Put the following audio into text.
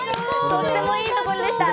とてもいいところでした！